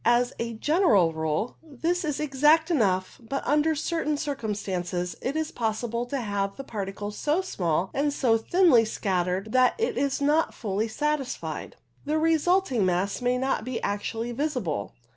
As a general rule this is exact enough, but under certain circumstances it is possible to have the particles so small, and so thinly scattered, that it is not fully satisfied. The resulting mass may not be actually visible.